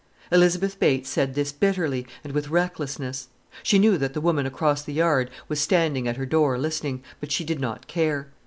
Elizabeth Bates said this bitterly, and with recklessness. She knew that the woman across the yard was standing at her door listening, but she did not care.